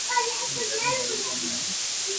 ھون دھنئي ھوئي گيو ھين